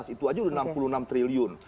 itu saja sudah enam puluh enam triliun